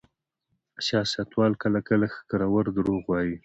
سیاستوال کله کله ښکرور دروغ وايي.